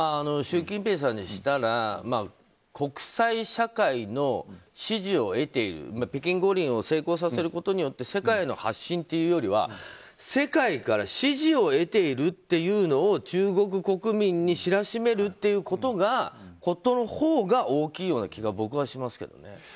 習近平さんにしたら国際社会の支持を得ている北京五輪を成功させることによって世界への発信というよりは世界から支持を得ているというのを中国国民に知らしめるということのほうが大きいような気が僕はしますけどね。